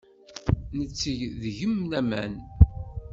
Netteg deg-m laman.